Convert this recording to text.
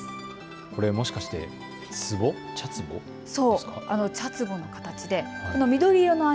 これもしかして茶つぼ？